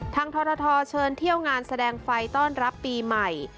ทรทเชิญเที่ยวงานแสดงไฟต้อนรับปีใหม่